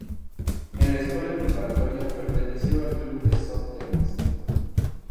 En la escuela preparatoria perteneció al club de soft tennis.